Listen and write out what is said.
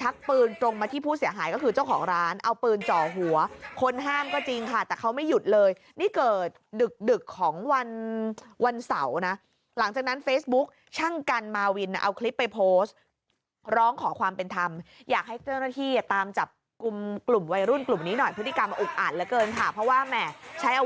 ชักปืนตรงมาที่ผู้เสียหายก็คือเจ้าของร้านเอาปืนจ่อหัวคนห้ามก็จริงค่ะแต่เขาไม่หยุดเลยนี่เกิดดึกดึกของวันวันเสาร์นะหลังจากนั้นเฟซบุ๊กช่างกันมาวินเอาคลิปไปโพสต์ร้องขอความเป็นธรรมอยากให้เจ้าหน้าที่ตามจับกลุ่มกลุ่มวัยรุ่นกลุ่มนี้หน่อยพฤติกรรมอุกอัดเหลือเกินค่ะเพราะว่าแหม่ใช้เอา